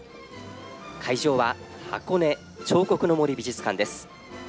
会場は箱根彫刻の森美術館です。